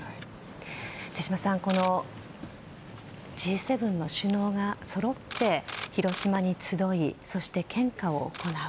手嶋さん、Ｇ７の首脳がそろって広島に集い、そして献花を行う。